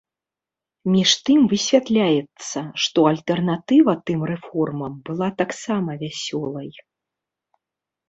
Між тым, высвятляецца, што альтэрнатыва тым рэформам была таксама вясёлай.